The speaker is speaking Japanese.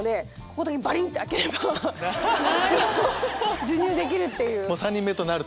ここだけバリン！って開ければ授乳できるっていう。